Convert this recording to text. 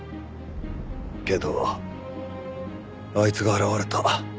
けどあいつが現れた。